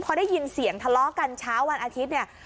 พอได้ยินเสียงทะเลาะกันเช้าวันอาทิตย์เนี่ย